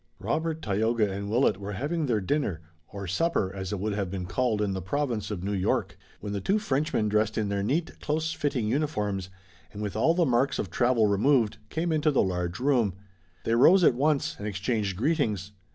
Robert, Tayoga and Willet were having their dinner, or supper as it would have been called in the Province of New York, when the two Frenchmen dressed in their neat, close fitting uniforms and with all the marks of travel removed, came into the large room. They rose at once and exchanged greetings.